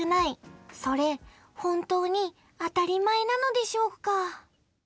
それ本当に当たり前なのでしょうか？